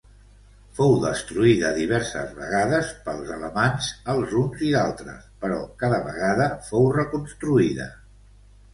Fou destruïda diverses vegades pels Alamans, els huns i d'altres, però cada vegada fou reconstruïda.